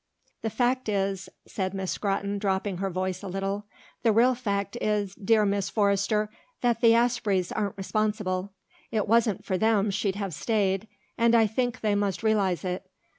The fact is," said Miss Scrotton, dropping her voice a little, "the real fact is, dear Mrs. Forrester, that the Aspreys aren't responsible. It wasn't for them she'd have stayed, and I think they must realize it.